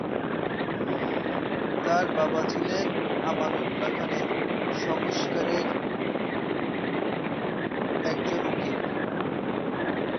তার বাবা ছিলেন আমানউল্লাহ খানের সংস্কারের একজন উকিল।